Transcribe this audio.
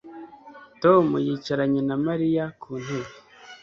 Tom yicaranye na Mariya ku ntebe